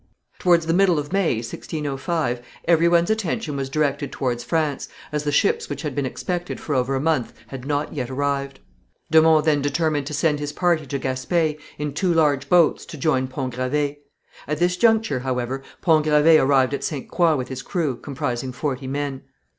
Towards the middle of May, 1605, every one's attention was directed towards France, as the ships which had been expected for over a month had not yet arrived. De Monts then determined to send his party to Gaspé in two large boats to join Pont Gravé. At this juncture, however, Pont Gravé arrived at Ste. Croix with his crew, comprising forty men.